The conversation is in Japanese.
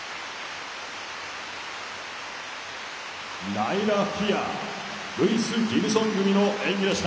ライラ・フィアールイス・ギブソン組の演技でした。